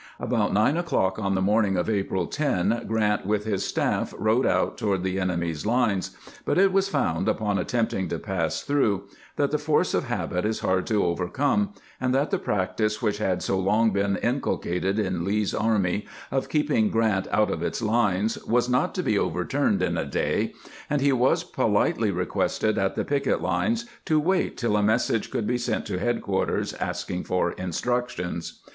About nine o'clock on the morning of April 10, G rant with his staff rode out toward the enemy's lines ; but it was found, upon attempting to pass through, that the 490 CAMPAIGNING WITH GKANT force of habit is hard to overcome, and that the practice "which had so long been inculcated in Lee's army of keeping Grant out of its lines was not to be overturned in a day, and he was politely requested at the picket lines to wait till a message could be sent to headquarters asking for instructions.